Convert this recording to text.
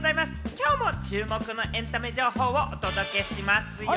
今日も注目のエンタメ情報をお届けしますよ。